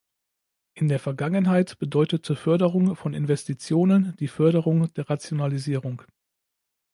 In der Vergangenheit bedeutete Förderung von Investitionen die Förderung der Rationalisierung.